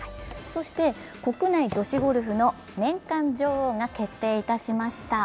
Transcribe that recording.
そして国内女子ゴルフの年間女王が決定いたしました。